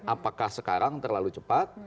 apakah sekarang terlalu cepat